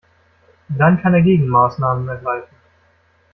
Dann kann er Gegenmaßnahmen ergreifen.